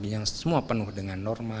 yang semua penuh dengan norma